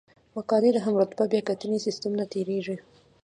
مقالې د هم رتبه بیاکتنې سیستم نه تیریږي.